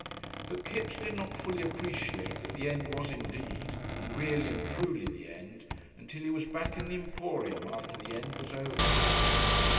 But Kipps did not fully appreciate that the end was indeed and really and truly the end, until he was back in the Emporium after the end was over.